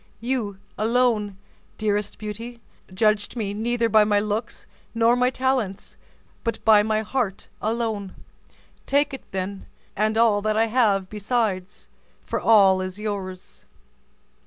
You alone, dearest Beauty, judged me neither by my looks nor by my talents, but by my heart alone. Take it then, and all that I have besides, for all is yours."